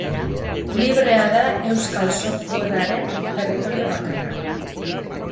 Librea da euskal softwarearen territorio bakarra.